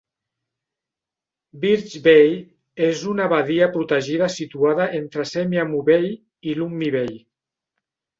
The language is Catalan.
Birch Bay és una badia protegida situada entre Semiahmoo Bay i Lummi Bay.